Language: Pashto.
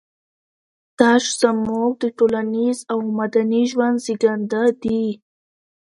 تش زموږ د ټولنيز او مدني ژوند زېږنده دي.